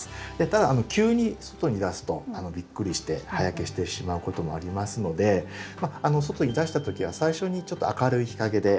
ただ急に外に出すとびっくりして葉焼けしてしまうこともありますので外に出した時は最初にちょっと明るい日陰で。